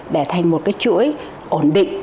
để thành một cái chuỗi ổn định